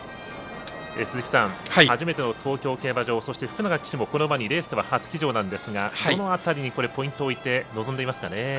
鈴木さん、初めての東京競馬場そして福永騎手もこの馬にレースで初騎乗なんですがどの辺りにポイントを置いて臨んでいますかね？